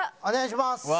お願いします。